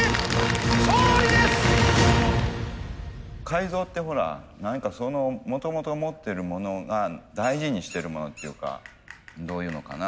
改造ってほら何かそのもともと持ってるものが大事にしてるものっていうかどういうのかな。